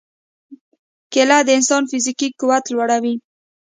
کېله د انسان فزیکي قوت لوړوي.